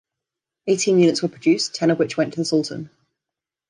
Eighteen units were produced, ten of which went to the Sultan.